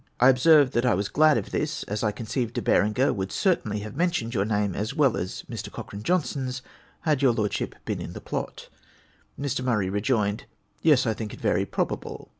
'''' I observed that I was glad of this, as I conceived De Berenger would certainly have mentioned your name as well as Mr. Cochrane Johnstone's, had your Lordship been in the plot. Mr. Murray rejoined, " Yes, I think it very probable.'"